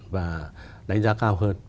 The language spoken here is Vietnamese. và đánh giá cao hơn